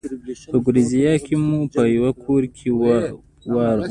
په ګوریزیا کې مو په یوه کور کې واړول.